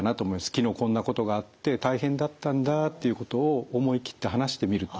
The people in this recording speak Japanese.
「昨日こんなことがあって大変だったんだ」っていうことを思い切って話してみると。